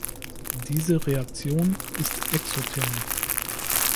Diese Reaktion ist exotherm.